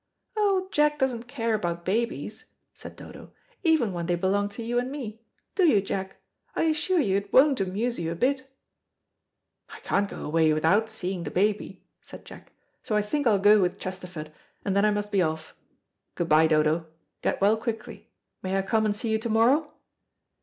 "Oh, Jack doesn't care about babies," said Dodo, "even when they belong to you and me. Do you, Jack? I assure you it won't amuse you a bit." "I can't go away without seeing the baby," said Jack, "so I think I'll go with Chesterford, and then I must be off. Good bye, Dodo. Get well quickly. May I come and see you to morrow?"